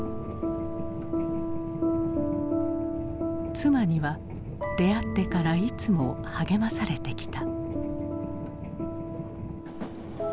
妻には出会ってからいつも励まされてきた。